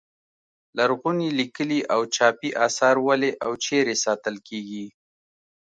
لرغوني لیکلي او چاپي اثار ولې او چیرې ساتل کیږي.